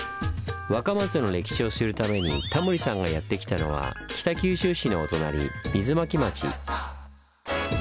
若松の歴史を知るためにタモリさんがやって来たのは北九州市のお隣水巻町。